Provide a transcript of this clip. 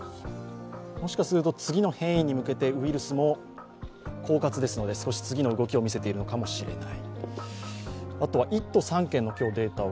もしかすると次の変異に向けてウイルスも狡猾ですので少し次の動きを見せているのかもしれない。